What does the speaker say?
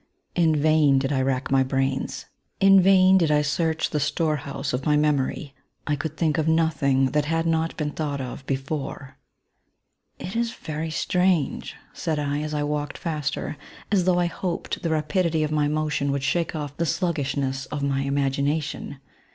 In vain did I rack my brains ^in vain did I search the .^ IV INTEODUCTION. Storehouse of my memory : I could think of no thing that had not been thought of before. *^ It is very strange r said I, as I walked faster, as though I hoped the rapidity of my motion would shake off the sluggishness of my imagination.